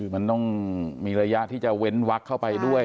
มันต้องมีระยะที่จะเว้นวักเข้าไปด้วย